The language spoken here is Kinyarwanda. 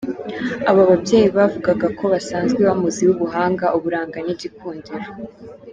Aba babyeyi bavugaga ko basanzwe bamuziho ubuhanga, uburanga n’igikundiro.